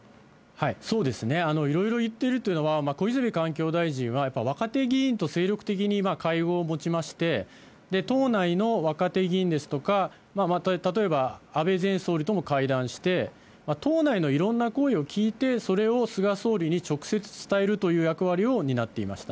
そうですね、いろいろ言ってるっていうのは、小泉環境大臣は、やっぱり若手議員と精力的に会合を持ちまして、党内の若手議員ですとか、例えば安倍前総理とも会談して、党内のいろんな声を聞いて、それを菅総理に直接伝えるという役割を担っていました。